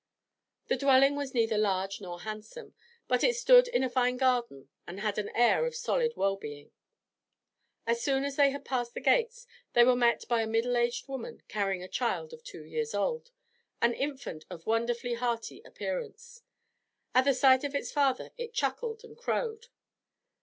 The dwelling was neither large nor handsome, but it stood in a fine garden and had an air of solid well being. As soon as they had passed the gates, they were met by a middle aged woman carrying a child of two years old, an infant of wonderfully hearty appearance. At the sight of its father it chuckled and crowed.